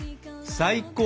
最高！